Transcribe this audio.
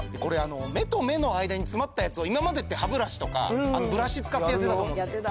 目と目の間に詰まったやつを今までって歯ブラシとかブラシ使ってやってたと思うんですけど。